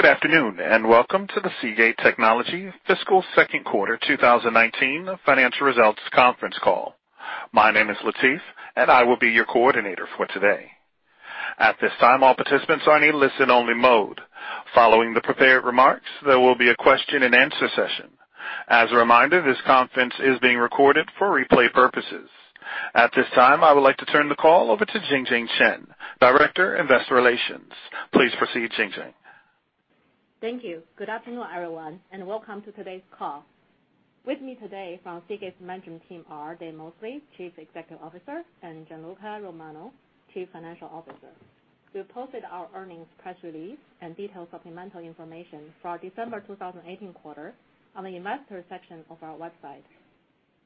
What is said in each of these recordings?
Good afternoon, and welcome to the Seagate Technology fiscal second quarter 2019 financial results conference call. My name is Latif, and I will be your coordinator for today. At this time, all participants are in listen-only mode. Following the prepared remarks, there will be a question-and-answer session. As a reminder, this conference is being recorded for replay purposes. At this time, I would like to turn the call over to Jingjing Chen, Director, Investor Relations. Please proceed, Jingjing. Thank you. Good afternoon, everyone, and welcome to today's call. With me today from Seagate's management team are Dave Mosley, Chief Executive Officer, and Gianluca Romano, Chief Financial Officer. We have posted our earnings press release and detailed supplemental information for our December 2018 quarter on the Investors section of our website.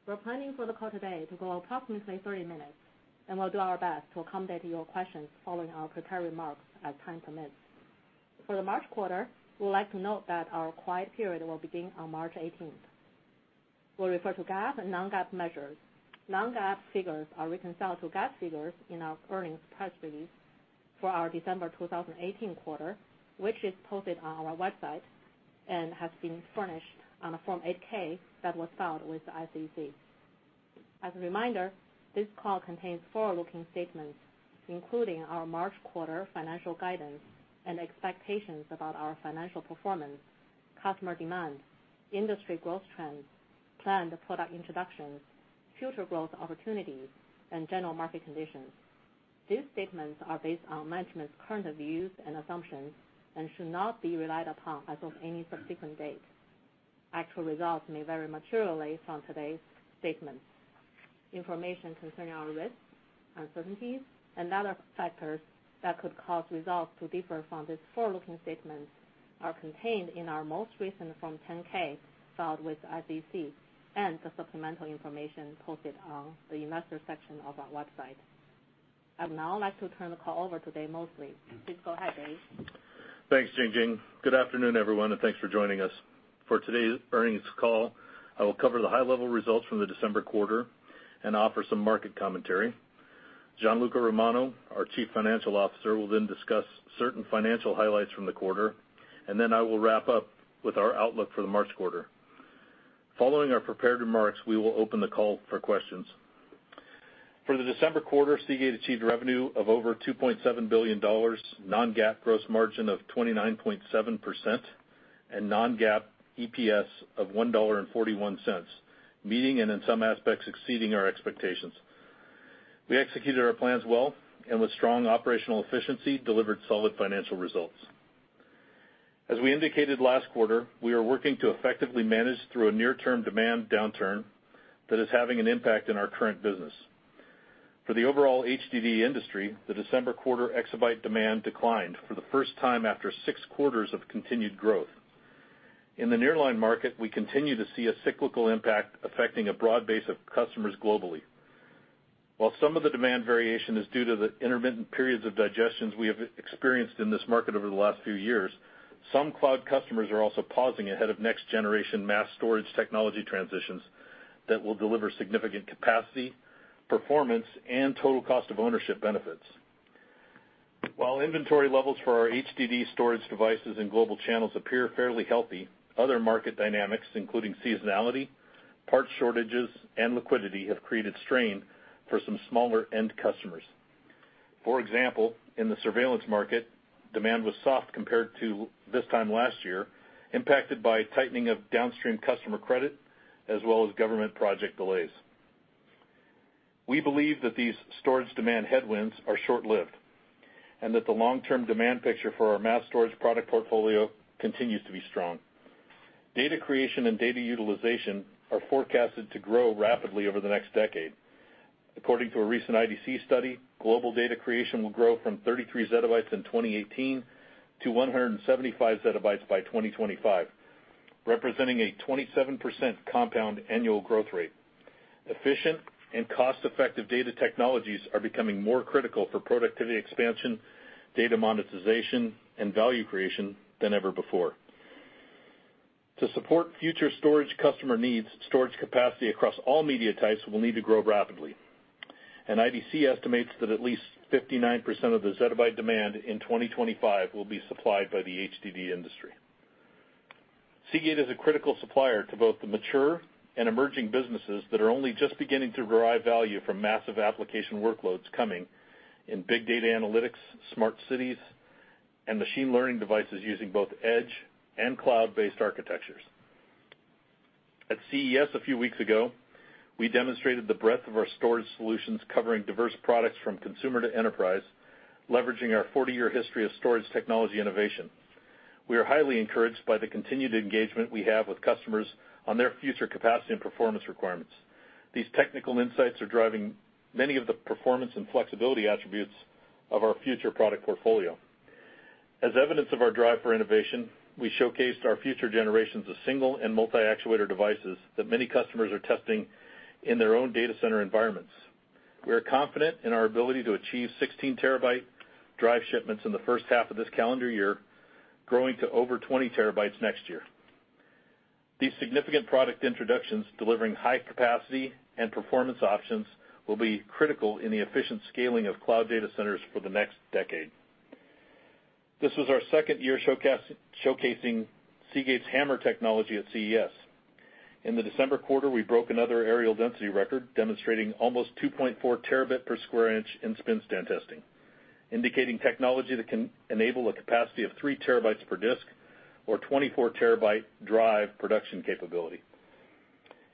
We're planning for the call today to go approximately 30 minutes, and we'll do our best to accommodate your questions following our prepared remarks as time permits. For the March quarter, we would like to note that our quiet period will begin on March 18th. We'll refer to GAAP and non-GAAP measures. Non-GAAP figures are reconciled to GAAP figures in our earnings press release for our December 2018 quarter, which is posted on our website and has been furnished on a Form 8-K that was filed with the SEC. As a reminder, this call contains forward-looking statements, including our March quarter financial guidance and expectations about our financial performance, customer demand, industry growth trends, planned product introductions, future growth opportunities, and general market conditions. These statements are based on management's current views and assumptions and should not be relied upon as of any subsequent date. Actual results may vary materially from today's statements. Information concerning our risks, uncertainties, and other factors that could cause results to differ from these forward-looking statements are contained in our most recent Form 10-K filed with SEC and the supplemental information posted on the Investors section of our website. I would now like to turn the call over to Dave Mosley. Please go ahead, Dave. Thanks, Jingjing. Good afternoon, everyone, and thanks for joining us. For today's earnings call, I will cover the high-level results from the December quarter and offer some market commentary. Gianluca Romano, our Chief Financial Officer, will then discuss certain financial highlights from the quarter, and then I will wrap up with our outlook for the March quarter. Following our prepared remarks, we will open the call for questions. For the December quarter, Seagate achieved revenue of over $2.7 billion, non-GAAP gross margin of 29.7%, and non-GAAP EPS of $1.41, meeting and in some aspects exceeding our expectations. We executed our plans well and with strong operational efficiency delivered solid financial results. As we indicated last quarter, we are working to effectively manage through a near-term demand downturn that is having an impact on our current business. For the overall HDD industry, the December quarter exabyte demand declined for the first time after six quarters of continued growth. In the nearline market, we continue to see a cyclical impact affecting a broad base of customers globally. While some of the demand variation is due to the intermittent periods of digestions we have experienced in this market over the last few years, some cloud customers are also pausing ahead of next-generation mass storage technology transitions that will deliver significant capacity, performance, and total cost of ownership benefits. While inventory levels for our HDD storage devices in global channels appear fairly healthy, other market dynamics, including seasonality, parts shortages, and liquidity, have created strain for some smaller end customers. For example, in the surveillance market, demand was soft compared to this time last year, impacted by tightening of downstream customer credit as well as government project delays. We believe that these storage demand headwinds are short-lived and that the long-term demand picture for our mass storage product portfolio continues to be strong. Data creation and data utilization are forecasted to grow rapidly over the next decade. According to a recent IDC study, global data creation will grow from 33 zettabytes in 2018 to 175 zettabytes by 2025, representing a 27% compound annual growth rate. Efficient and cost-effective data technologies are becoming more critical for productivity expansion, data monetization, and value creation than ever before. To support future storage customer needs, storage capacity across all media types will need to grow rapidly. IDC estimates that at least 59% of the zettabyte demand in 2025 will be supplied by the HDD industry. Seagate is a critical supplier to both the mature and emerging businesses that are only just beginning to derive value from massive application workloads coming in big data analytics, smart cities, and machine learning devices using both edge and cloud-based architectures. At CES a few weeks ago, we demonstrated the breadth of our storage solutions covering diverse products from consumer to enterprise, leveraging our 40-year history of storage technology innovation. We are highly encouraged by the continued engagement we have with customers on their future capacity and performance requirements. These technical insights are driving many of the performance and flexibility attributes of our future product portfolio. As evidence of our drive for innovation, we showcased our future generations of single and multi-actuator devices that many customers are testing in their own data center environments. We are confident in our ability to achieve 16 terabyte drive shipments in the first half of this calendar year, growing to over 20 terabytes next year. These significant product introductions delivering high capacity and performance options will be critical in the efficient scaling of cloud data centers for the next decade. This was our second year showcasing Seagate's HAMR technology at CES. In the December quarter, we broke another areal density record demonstrating almost 2.4 terabit per square inch in spin stand testing, indicating technology that can enable a capacity of three terabytes per disk or 24 terabyte drive production capability.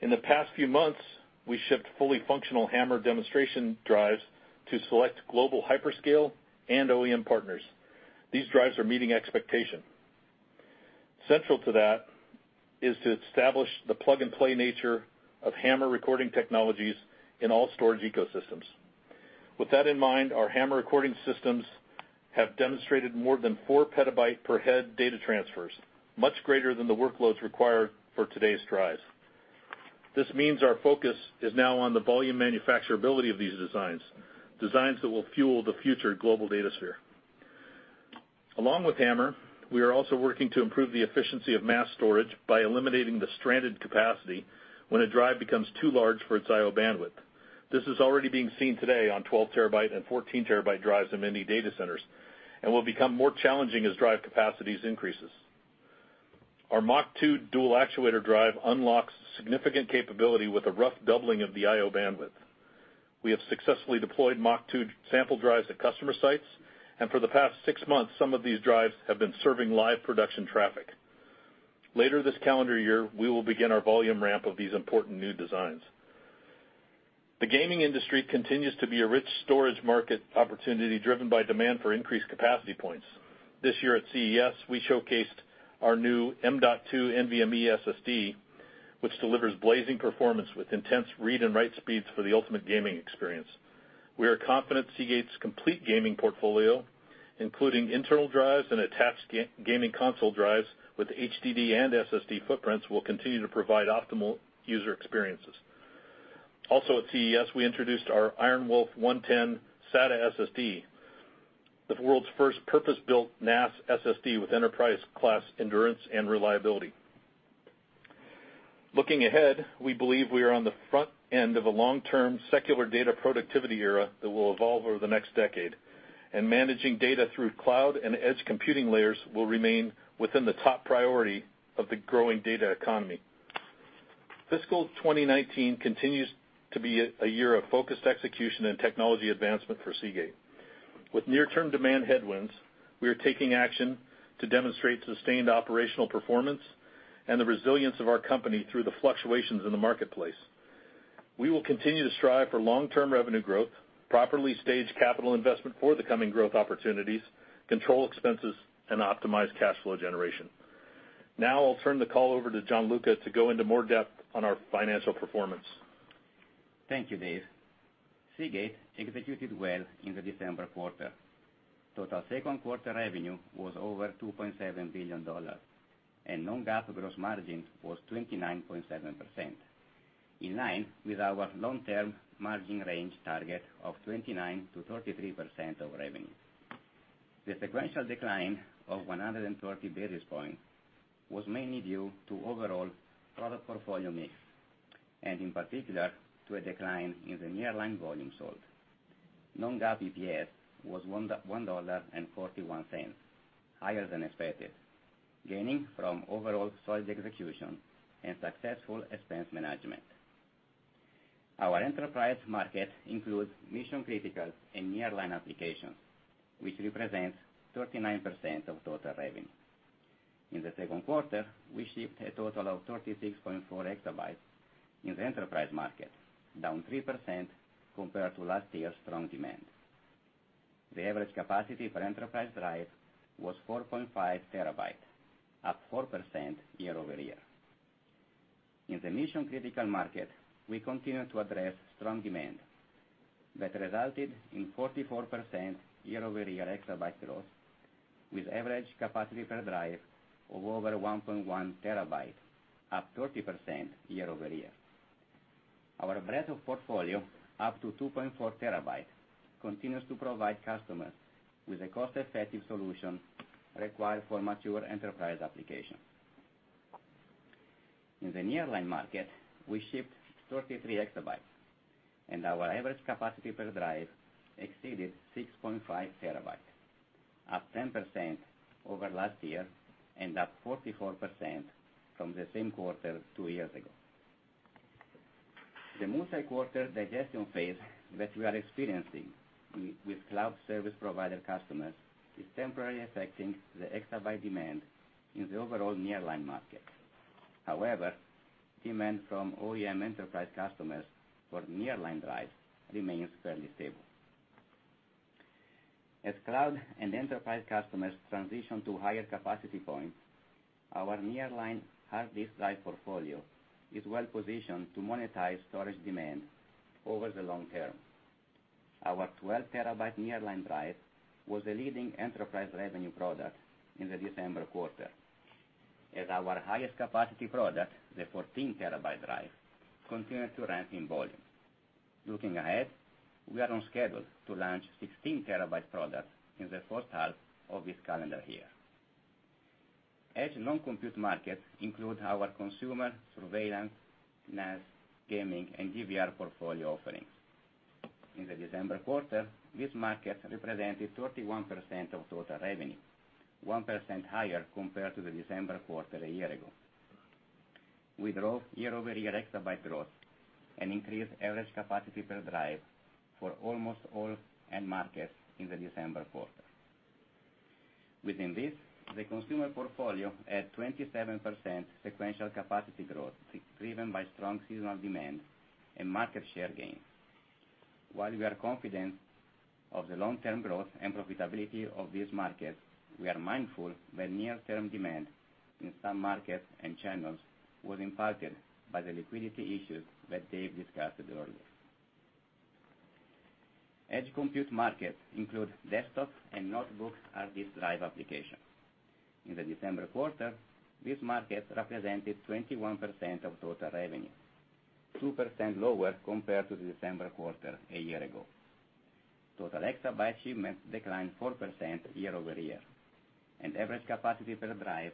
In the past few months, we shipped fully functional HAMR demonstration drives to select global hyperscale and OEM partners. These drives are meeting expectation. Central to that is to establish the plug-and-play nature of HAMR recording technologies in all storage ecosystems. With that in mind, our HAMR recording systems have demonstrated more than four petabyte per head data transfers, much greater than the workloads required for today's drives. This means our focus is now on the volume manufacturability of these designs that will fuel the future global data sphere. Along with HAMR, we are also working to improve the efficiency of mass storage by eliminating the stranded capacity when a drive becomes too large for its IO bandwidth. This is already being seen today on 12 terabyte and 14 terabyte drives in many data centers and will become more challenging as drive capacities increases. Our MACH.2 dual actuator drive unlocks significant capability with a rough doubling of the IO bandwidth. We have successfully deployed MACH.2 sample drives at customer sites, and for the past six months, some of these drives have been serving live production traffic. Later this calendar year, we will begin our volume ramp of these important new designs. The gaming industry continues to be a rich storage market opportunity, driven by demand for increased capacity points. This year at CES, we showcased our new M.2 NVMe SSD, which delivers blazing performance with intense read and write speeds for the ultimate gaming experience. We are confident Seagate's complete gaming portfolio, including internal drives and attached gaming console drives with HDD and SSD footprints, will continue to provide optimal user experiences. Also at CES, we introduced our IronWolf 110 SATA SSD, the world's first purpose-built NAS SSD with enterprise class endurance and reliability. Looking ahead, we believe we are on the front end of a long-term secular data productivity era that will evolve over the next decade. Managing data through cloud and edge computing layers will remain within the top priority of the growing data economy. Fiscal 2019 continues to be a year of focused execution and technology advancement for Seagate. With near-term demand headwinds, we are taking action to demonstrate sustained operational performance and the resilience of our company through the fluctuations in the marketplace. We will continue to strive for long-term revenue growth, properly stage capital investment for the coming growth opportunities, control expenses, and optimize cash flow generation. I'll turn the call over to Gianluca to go into more depth on our financial performance. Thank you, Dave. Seagate executed well in the December quarter. Total second quarter revenue was over $2.7 billion, and non-GAAP gross margin was 29.7%, in line with our long-term margin range target of 29%-33% of revenue. The sequential decline of 130 basis points was mainly due to overall product portfolio mix, and in particular, to a decline in the nearline volume sold. Non-GAAP EPS was $1.41, higher than expected, gaining from overall solid execution and successful expense management. Our enterprise market includes mission-critical and nearline applications, which represents 39% of total revenue. In the second quarter, we shipped a total of 36.4 exabytes in the enterprise market, down 3% compared to last year's strong demand. The average capacity for enterprise drive was 4.5 terabyte, up 4% year-over-year. In the mission-critical market, we continue to address strong demand that resulted in 44% year-over-year exabyte growth, with average capacity per drive of over 1.1 terabyte, up 30% year-over-year. Our breadth of portfolio, up to 2.4 terabyte, continues to provide customers with a cost-effective solution required for mature enterprise applications. In the nearline market, we shipped 33 exabytes, and our average capacity per drive exceeded 6.5 terabyte, up 10% over last year and up 44% from the same quarter two years ago. The multi-quarter digestion phase that we are experiencing with cloud service provider customers is temporarily affecting the exabyte demand in the overall nearline market. However, demand from OEM enterprise customers for nearline drives remains fairly stable. As cloud and enterprise customers transition to higher capacity points, our nearline hard disk drive portfolio is well positioned to monetize storage demand over the long term. Our 12 terabyte nearline drive was the leading enterprise revenue product in the December quarter. As our highest capacity product, the 14 terabyte drive, continues to ramp in volume. Looking ahead, we are on schedule to launch 16 terabyte products in the first half of this calendar year. Edge non-compute market include our consumer, surveillance, NAS, gaming, and DVR portfolio offerings. In the December quarter, this market represented 31% of total revenue, 1% higher compared to the December quarter a year ago. We drove year-over-year exabyte growth and increased average capacity per drive for almost all end markets in the December quarter. Within this, the consumer portfolio at 27% sequential capacity growth, driven by strong seasonal demand and market share gains. While we are confident of the long-term growth and profitability of this market, we are mindful that near-term demand in some markets and channels was impacted by the liquidity issues that Dave discussed earlier. Edge compute market include desktop and notebook hard disk drive applications. In the December quarter, this market represented 21% of total revenue, 2% lower compared to the December quarter a year ago. Total exabyte shipments declined 4% year-over-year, and average capacity per drive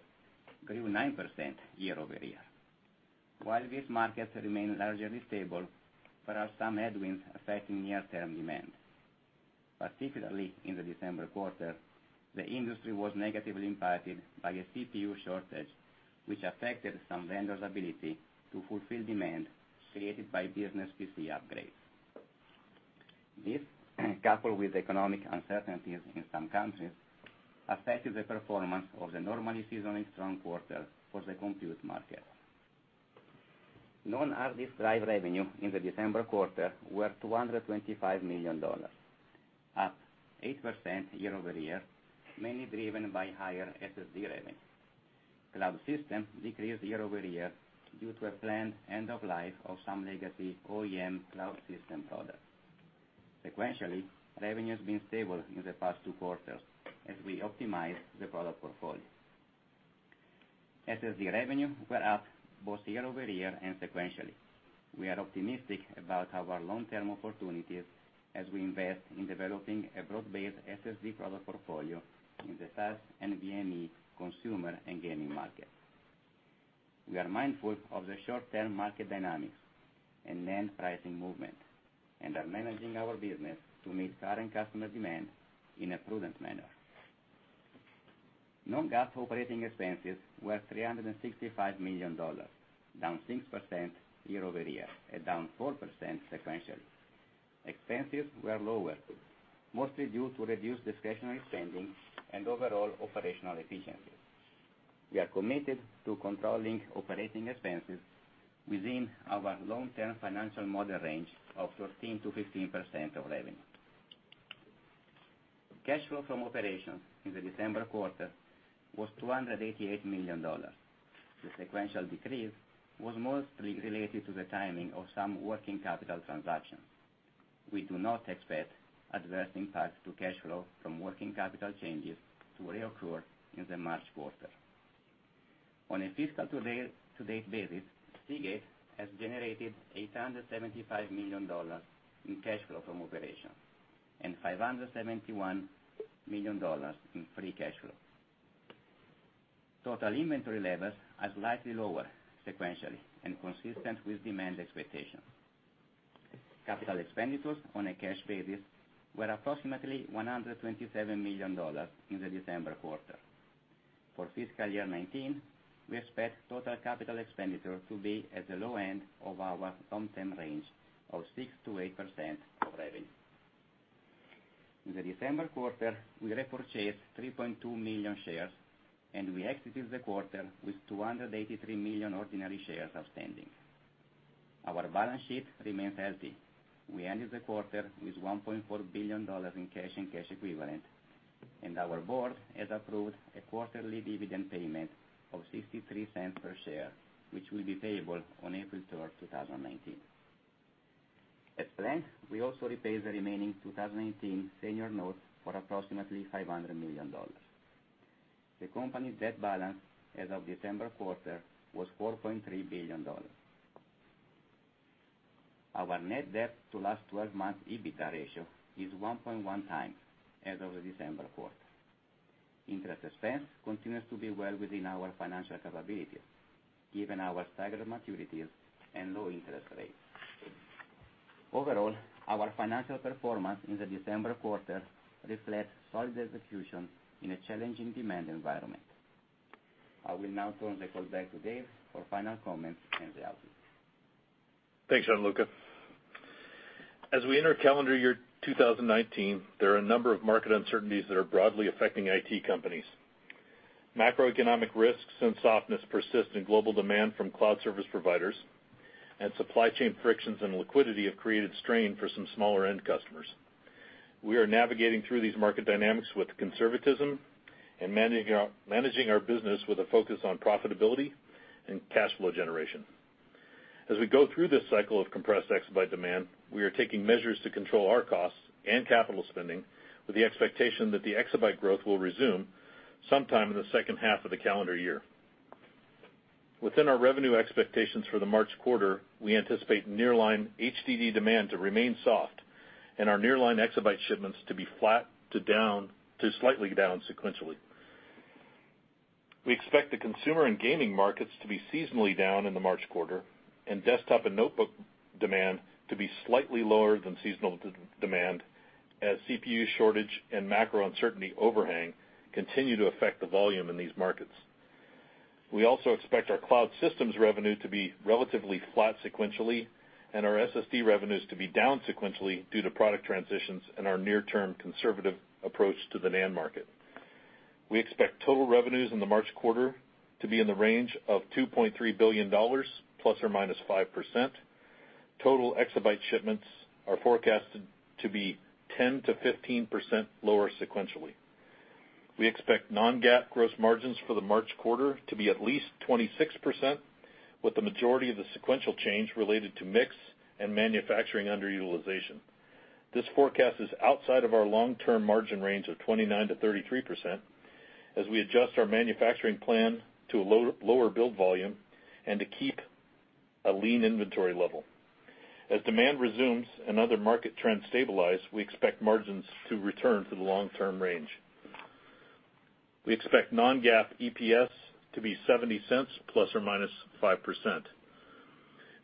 grew 9% year-over-year. While these markets remain largely stable, there are some headwinds affecting near-term demand. Particularly in the December quarter, the industry was negatively impacted by a CPU shortage, which affected some vendors' ability to fulfill demand created by business PC upgrades. This, coupled with economic uncertainties in some countries, affected the performance of the normally seasonally strong quarter for the compute market. Non-hard disk drive revenue in the December quarter were $225 million, up 8% year-over-year, mainly driven by higher SSD revenue. Cloud system decreased year-over-year due to a planned end of life of some legacy OEM cloud system products. Sequentially, revenue has been stable in the past two quarters as we optimize the product portfolio. SSD revenue were up both year-over-year and sequentially. We are optimistic about our long-term opportunities as we invest in developing a broad-based SSD product portfolio in the SAS and NVMe consumer and gaming market. We are mindful of the short-term market dynamics and NAND pricing movement, and are managing our business to meet current customer demand in a prudent manner. Non-GAAP operating expenses were $365 million, down 6% year-over-year, and down 4% sequentially. Expenses were lower, mostly due to reduced discretionary spending and overall operational efficiencies. We are committed to controlling operating expenses within our long-term financial model range of 13%-15% of revenue. Cash flow from operations in the December quarter was $288 million. The sequential decrease was mostly related to the timing of some working capital transactions. We do not expect adverse impacts to cash flow from working capital changes to reoccur in the March quarter. On a fiscal to-date basis, Seagate has generated $875 million in cash flow from operations, and $571 million in free cash flow. Total inventory levels are slightly lower sequentially and consistent with demand expectations. Capital expenditures on a cash basis were approximately $127 million in the December quarter. For fiscal year 2019, we expect total capital expenditure to be at the low end of our long-term range of 6%-8% of revenue. In the December quarter, we repurchased 3.2 million shares. We exited the quarter with 283 million ordinary shares outstanding. Our balance sheet remains healthy. We ended the quarter with $1.4 billion in cash and cash equivalent, and our board has approved a quarterly dividend payment of $0.63 per share, which will be payable on April 3rd, 2019. As planned, we also repaid the remaining 2018 senior notes for approximately $500 million. The company's debt balance as of December quarter was $4.3 billion. Our net debt to last 12 months EBITDA ratio is 1.1 times as of the December quarter. Interest expense continues to be well within our financial capabilities, given our staggered maturities and low interest rates. Overall, our financial performance in the December quarter reflects solid execution in a challenging demand environment. I will now turn the call back to Dave for final comments and the outlook. Thanks, Gianluca. As we enter calendar year 2019, there are a number of market uncertainties that are broadly affecting IT companies. Macroeconomic risks and softness persist in global demand from cloud service providers. Supply chain frictions and liquidity have created strain for some smaller end customers. We are navigating through these market dynamics with conservatism and managing our business with a focus on profitability and cash flow generation. As we go through this cycle of compressed exabyte demand, we are taking measures to control our costs and capital spending with the expectation that the exabyte growth will resume sometime in the second half of the calendar year. Within our revenue expectations for the March quarter, we anticipate nearline HDD demand to remain soft and our nearline exabyte shipments to be flat to slightly down sequentially. We expect the consumer and gaming markets to be seasonally down in the March quarter. Desktop and notebook demand to be slightly lower than seasonal demand as CPU shortage and macro uncertainty overhang continue to affect the volume in these markets. We also expect our cloud systems revenue to be relatively flat sequentially. Our SSD revenues to be down sequentially due to product transitions and our near-term conservative approach to the NAND market. We expect total revenues in the March quarter to be in the range of $2.3 billion ±5%. Total exabyte shipments are forecasted to be 10%-15% lower sequentially. We expect non-GAAP gross margins for the March quarter to be at least 26%, with the majority of the sequential change related to mix and manufacturing underutilization. This forecast is outside of our long-term margin range of 29%-33%, as we adjust our manufacturing plan to a lower build volume and to keep a lean inventory level. As demand resumes and other market trends stabilize, we expect margins to return to the long-term range. We expect non-GAAP EPS to be $0.70 ±5%.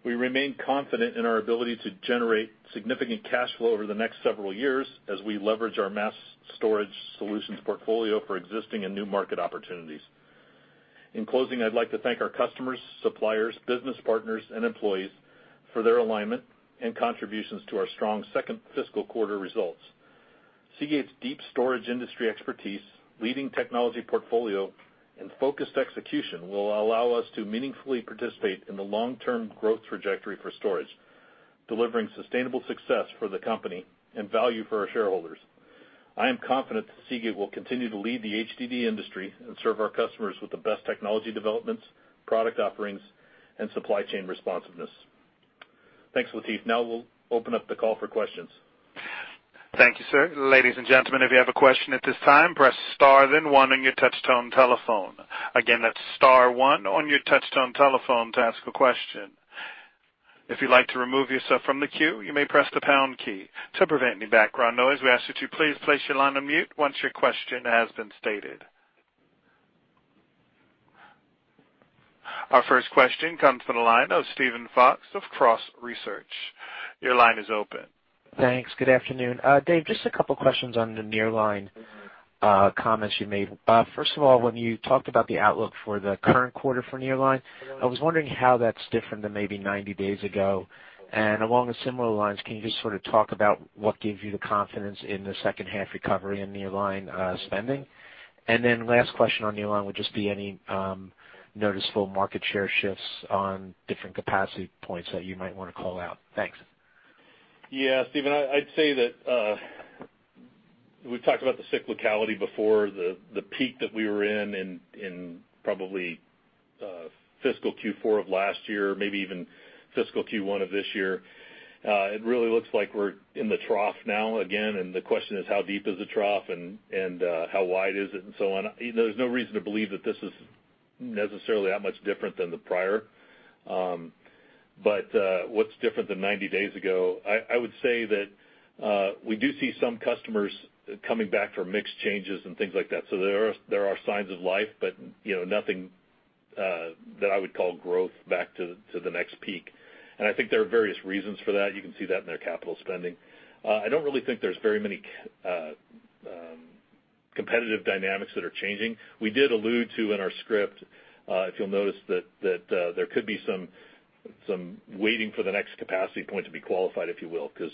We remain confident in our ability to generate significant cash flow over the next several years as we leverage our mass storage solutions portfolio for existing and new market opportunities. In closing, I'd like to thank our customers, suppliers, business partners, and employees for their alignment and contributions to our strong second fiscal quarter results. Seagate's deep storage industry expertise, leading technology portfolio, and focused execution will allow us to meaningfully participate in the long-term growth trajectory for storage, delivering sustainable success for the company and value for our shareholders. I am confident that Seagate will continue to lead the HDD industry and serve our customers with the best technology developments, product offerings, and supply chain responsiveness. Thanks, Latif. We'll open up the call for questions. Thank you, sir. Ladies and gentlemen, if you have a question at this time, press star then one on your touch-tone telephone. Again, that's star one on your touch-tone telephone to ask a question. If you'd like to remove yourself from the queue, you may press the pound key. To prevent any background noise, we ask that you please place your line on mute once your question has been stated. Our first question comes from the line of Steven Fox of Cross Research. Your line is open. Thanks. Good afternoon. Dave, just a couple questions on the nearline comments you made. First of all, when you talked about the outlook for the current quarter for nearline, I was wondering how that's different than maybe 90 days ago. Along the similar lines, can you just sort of talk about what gave you the confidence in the second half recovery in nearline spending? Then last question on nearline, would there just be any noticeable market share shifts on different capacity points that you might want to call out? Thanks. Steven, I'd say we've talked about the cyclicality before, the peak that we were in in probably fiscal Q4 of last year, maybe even fiscal Q1 of this year. It really looks like we're in the trough now again. The question is how deep is the trough and how wide is it and so on. There's no reason to believe that this is necessarily that much different than the prior. What's different than 90 days ago, I would say that we do see some customers coming back for mix changes and things like that. There are signs of life, but nothing that I would call growth back to the next peak. I think there are various reasons for that. You can see that in their capital spending. I don't really think there's very many competitive dynamics that are changing. We did allude to in our script, if you'll notice that there could be some waiting for the next capacity point to be qualified, if you will, because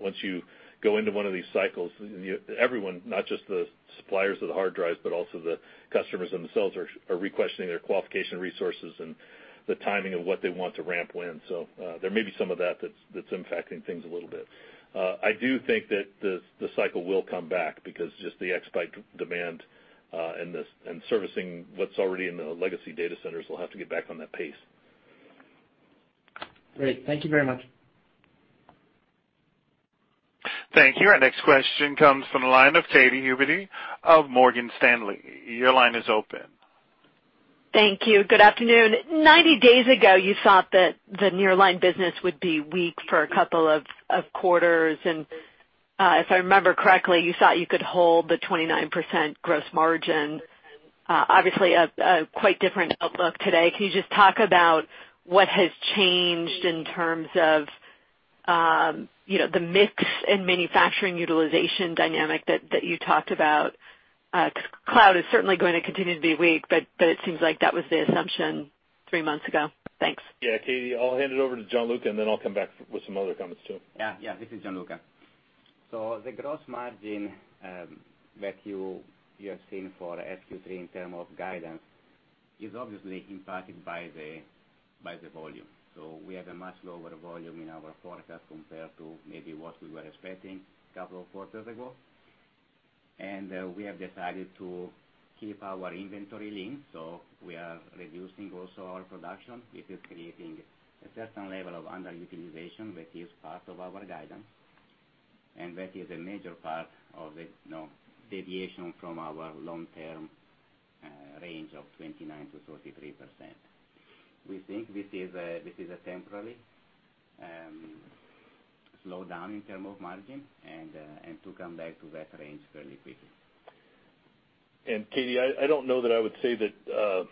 once you go into one of these cycles, everyone, not just the suppliers of the hard drives, but also the customers themselves are requestioning their qualification resources and the timing of what they want to ramp in. There may be some of that that's impacting things a little bit. I do think that the cycle will come back because just the exabyte demand and servicing what's already in the legacy data centers will have to get back on that pace. Great. Thank you very much. Thank you. Our next question comes from the line of Katy Huberty of Morgan Stanley. Your line is open. Thank you. Good afternoon. 90 days ago, you thought that the nearline business would be weak for a couple of quarters, and if I remember correctly, you thought you could hold the 29% gross margin. Obviously, a quite different outlook today. Can you just talk about what has changed in terms of the mix and manufacturing utilization dynamic that you talked about? Cloud is certainly going to continue to be weak, but it seems like that was the assumption three months ago. Thanks. Katy, I'll hand it over to Gianluca, I'll come back with some other comments, too. This is Gianluca. The gross margin that you have seen for SQ3 in terms of guidance is obviously impacted by the volume. We have a much lower volume in our forecast compared to maybe what we were expecting a couple of quarters ago. We have decided to keep our inventory lean, so we are reducing also our production. This is creating a certain level of underutilization that is part of our guidance. And that is a major part of the deviation from our long-term range of 29%-33%. We think this is a temporary slowdown in terms of margin to come back to that range fairly quickly. Katy, I don't know that I would say that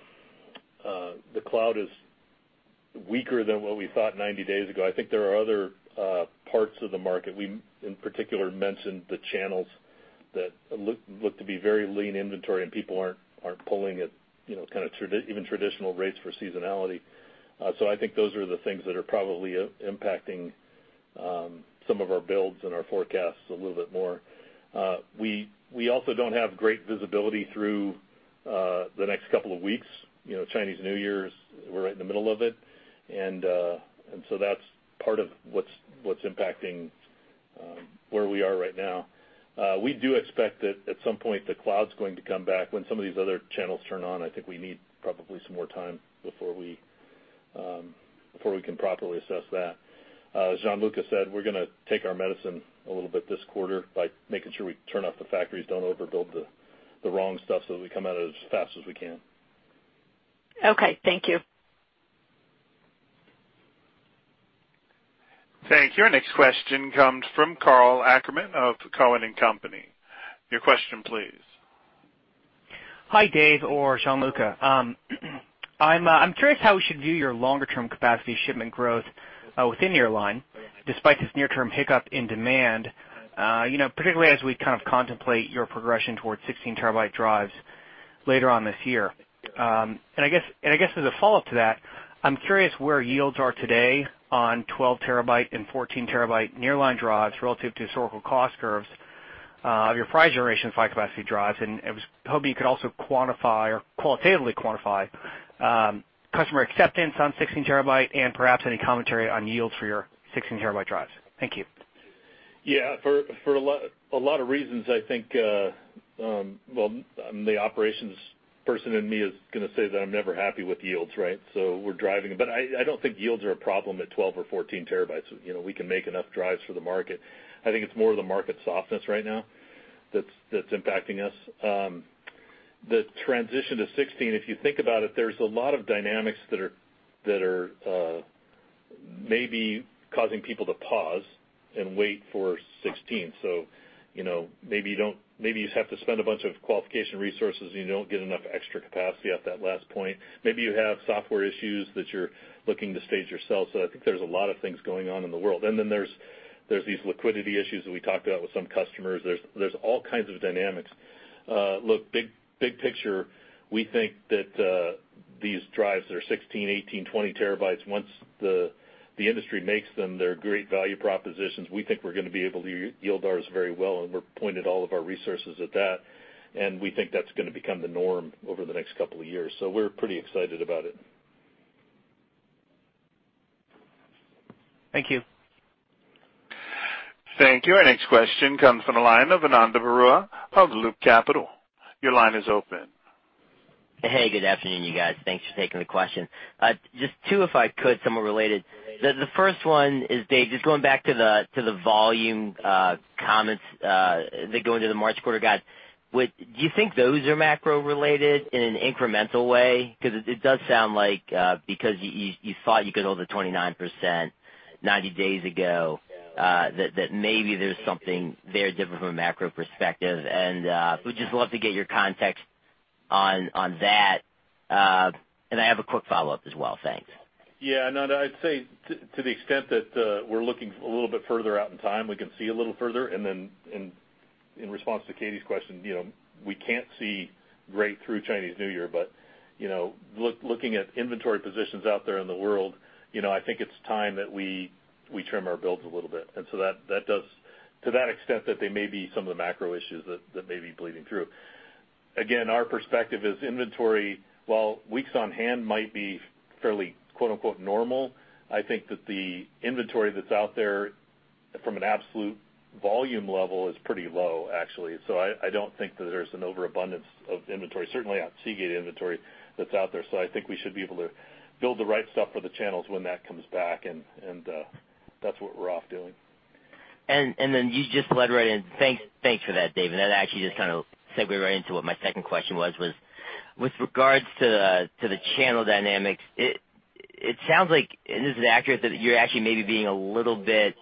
the cloud is weaker than what we thought 90 days ago. I think there are other parts of the market. We, in particular, mentioned the channels that look to be very lean inventory, and people aren't pulling it, even traditional rates for seasonality. I think those are the things that are probably impacting some of our builds and our forecasts a little bit more. We also don't have great visibility through the next couple of weeks. Chinese New Year, we're right in the middle of it. That's part of what's impacting where we are right now. We do expect that at some point the cloud's going to come back. When some of these other channels turn on, I think we need probably some more time before we can properly assess that. As Gianluca said, we're going to take our medicine a little bit this quarter by making sure we turn off the factories, don't overbuild the wrong stuff, we come out as fast as we can. Okay. Thank you. Thank you. Our next question comes from Karl Ackerman of Cowen and Company. Your question please. Hi, Dave or Gianluca. I'm curious how we should view your longer term capacity shipment growth within your line despite this near-term hiccup in demand, particularly as we kind of contemplate your progression towards 16-terabyte drives later on this year. I guess as a follow-up to that, I'm curious where yields are today on 12-terabyte and 14-terabyte nearline drives relative to historical cost curves of your prior generation capacity drives. I was hoping you could also qualitatively quantify customer acceptance on 16-terabyte and perhaps any commentary on yields for your 16-terabyte drives. Thank you. For a lot of reasons, I think the operations person in me is going to say that I'm never happy with yields, right? I don't think yields are a problem at 12 or 14 terabytes. We can make enough drives for the market. I think it's more the market softness right now that's impacting us. The transition to 16, if you think about it, there's a lot of dynamics that are maybe causing people to pause and wait for 16. Maybe you have to spend a bunch of qualification resources, and you don't get enough extra capacity at that last point. Maybe you have software issues that you're looking to stage yourself. I think there's a lot of things going on in the world. There's these liquidity issues that we talked about with some customers. There's all kinds of dynamics. Look, big picture, we think that these drives that are 16, 18, 20 terabytes, once the industry makes them, they're great value propositions. We think we're going to be able to yield ours very well, and we've pointed all of our resources at that, and we think that's going to become the norm over the next couple of years. We're pretty excited about it. Thank you. Thank you. Our next question comes from the line of Ananda Baruah of Loop Capital. Your line is open. Hey, good afternoon, you guys. Thanks for taking the question. Just two, if I could, somewhat related. The first one is, Dave, just going back to the volume comments that go into the March quarter guide. Do you think those are macro related in an incremental way? It does sound like because you thought you could hold the 29% 90 days ago, that maybe there's something there different from a macro perspective. Would just love to get your context on that. I have a quick follow-up as well. Thanks. Yeah. Ananda, I'd say to the extent that we're looking a little bit further out in time, we can see a little further. In response to Katy's question, we can't see right through Chinese New Year, but looking at inventory positions out there in the world, I think it's time that we trim our builds a little bit. To that extent that there may be some of the macro issues that may be bleeding through. Again, our perspective is inventory, while weeks on hand might be fairly "normal," I think that the inventory that's out there from an absolute volume level is pretty low, actually. I don't think that there's an overabundance of inventory, certainly not Seagate inventory that's out there. I think we should be able to build the right stuff for the channels when that comes back, and that's what we're off doing. You just led right in. Thanks for that, Dave. That actually just kind of segued right into what my second question was with regards to the channel dynamics, it sounds like, and this is accurate, that you're actually maybe being a little bit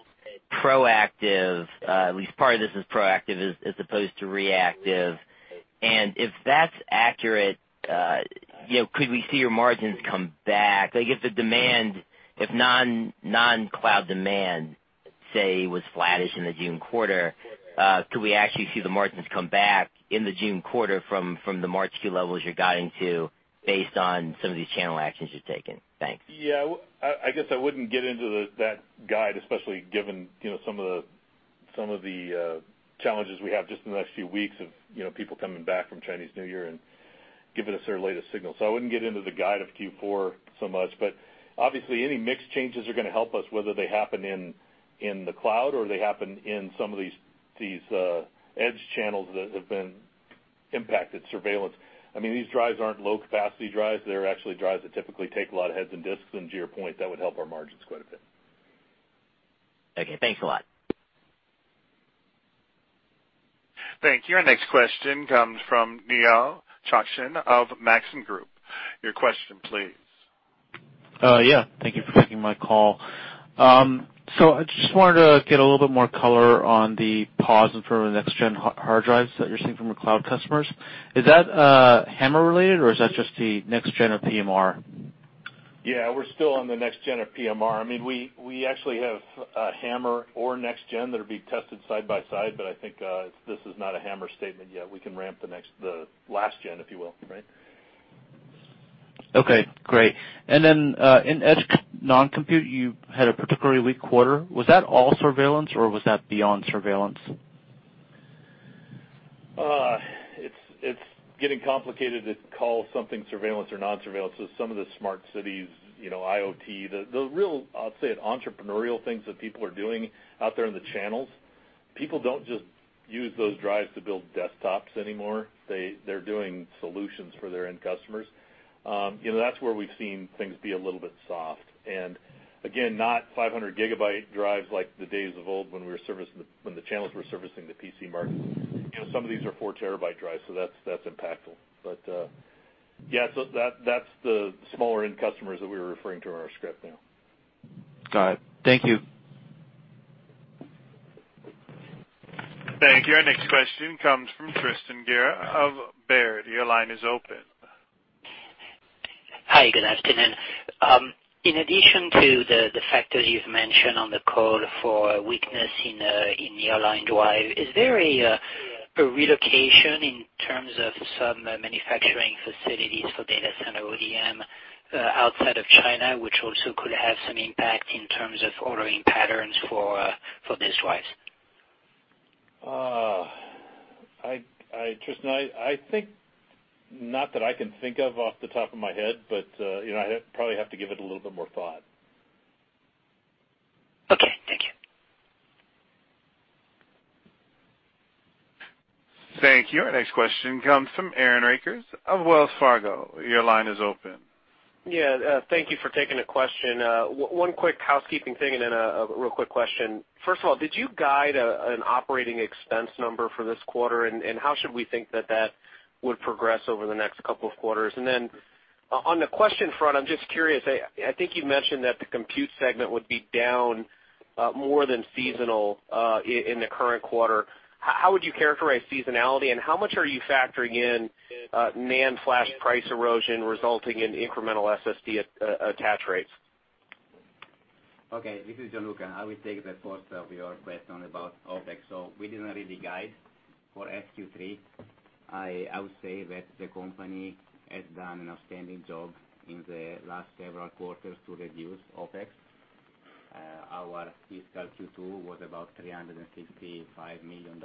proactive, at least part of this is proactive as opposed to reactive. If that's accurate, could we see your margins come back? If non-cloud demand, say, was flattish in the June quarter, could we actually see the margins come back in the June quarter from the March Q levels you're guiding to based on some of these channel actions you've taken? Thanks. Yeah. I guess I wouldn't get into that guide, especially given some of the challenges we have just in the next few weeks of people coming back from Chinese New Year and giving us their latest signals. I wouldn't get into the guide of Q4 so much, but obviously any mix changes are going to help us, whether they happen in the cloud or they happen in some of these edge channels that have been impacted surveillance. I mean, these drives aren't low-capacity drives. They're actually drives that typically take a lot of heads and disks, and to your point, that would help our margins quite a bit. Okay, thanks a lot. Thank you. Our next question comes from Neo Chachin of Maxim Group. Your question please. Yeah. Thank you for taking my call. I just wanted to get a little bit more color on the pause for the next-gen hard drives that you're seeing from your cloud customers. Is that HAMR related, or is that just the next gen of PMR? Yeah, we're still on the next gen of PMR. I mean, we actually have HAMR or next gen that are being tested side by side, I think this is not a HAMR statement yet. We can ramp the last gen, if you will, right? Okay, great. In edge non-compute, you had a particularly weak quarter. Was that all surveillance or was that beyond surveillance? It's getting complicated to call something surveillance or non-surveillance. Some of the smart cities, IoT, the real, I'll say it, entrepreneurial things that people are doing out there in the channels. People don't just use those drives to build desktops anymore. They're doing solutions for their end customers. That's where we've seen things be a little bit soft. Again, not 500 gigabyte drives like the days of old when the channels were servicing the PC market. Some of these are four terabyte drives, that's impactful. Yeah, that's the smaller end customers that we were referring to in our script now. Got it. Thank you. Thank you. Our next question comes from Tristan Gerra of Baird. Your line is open. Hi, good afternoon. In addition to the factors you've mentioned on the call for weakness in the nearline drive, is there a relocation in terms of some manufacturing facilities for data center ODM outside of China which also could have some impact in terms of ordering patterns for these drives? Tristan, not that I can think of off the top of my head, but I probably have to give it a little bit more thought. Okay, thank you. Thank you. Our next question comes from Aaron Rakers of Wells Fargo. Your line is open. Yeah. Thank you for taking the question. One quick housekeeping thing and then a real quick question. First of all, did you guide an OpEx number for this quarter? How should we think that that would progress over the next couple of quarters? On the question front, I'm just curious, I think you mentioned that the compute segment would be down more than seasonal in the current quarter. How would you characterize seasonality, and how much are you factoring in NAND flash price erosion resulting in incremental SSD attach rates? Okay, this is Gianluca. I will take the first of your question about OpEx. We didn't really guide for FYQ three. I would say that the company has done an outstanding job in the last several quarters to reduce OpEx. Our fiscal Q2 was about $355 million.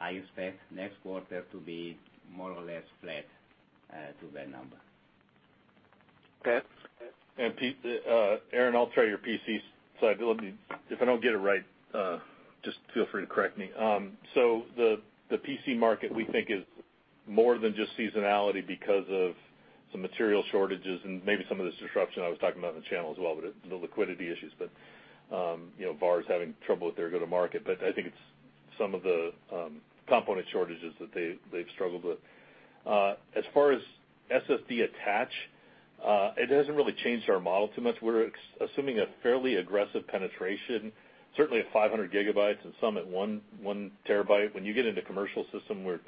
I expect next quarter to be more or less flat to that number. Okay. Aaron, I'll try your PC side. If I don't get it right, just feel free to correct me. The PC market, we think, is more than just seasonality because of some material shortages and maybe some of this disruption I was talking about in the channel as well, the liquidity issues. VAR is having trouble with their go-to-market. I think it's some of the component shortages that they've struggled with. As far as SSD attach, it hasn't really changed our model too much. We're assuming a fairly aggressive penetration, certainly at 500 gigabytes and some at one terabyte. When you get into commercial system, we're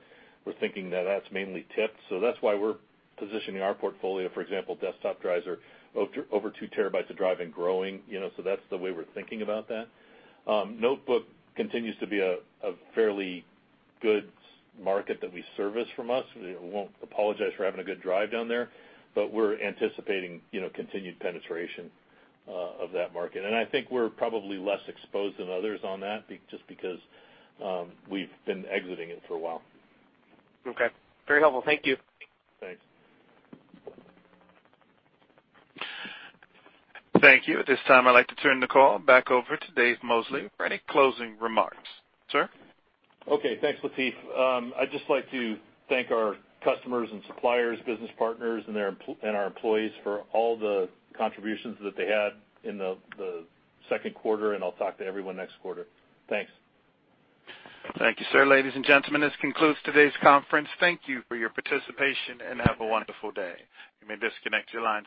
thinking that that's mainly tipped. That's why we're positioning our portfolio, for example, desktop drives are over two terabytes of drive and growing. That's the way we're thinking about that. Notebook continues to be a fairly good market that we service from us. We won't apologize for having a good drive down there, but we're anticipating continued penetration of that market. I think we're probably less exposed than others on that just because we've been exiting it for a while. Okay. Very helpful. Thank you. Thanks. Thank you. At this time, I'd like to turn the call back over to Dave Mosley for any closing remarks. Sir? Okay, thanks, Latif. I'd just like to thank our customers and suppliers, business partners and our employees for all the contributions that they had in the second quarter, and I'll talk to everyone next quarter. Thanks. Thank you, sir. Ladies and gentlemen, this concludes today's conference. Thank you for your participation, and have a wonderful day. You may disconnect your lines.